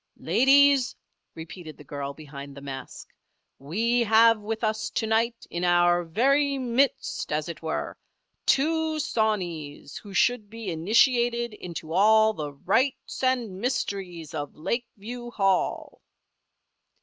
"Ladies!" repeated the girl behind the mask. "We have with us to night, in our very midst, as it were, two sawneys who should be initiated into all the rites and mysteries of Lakeview Hall."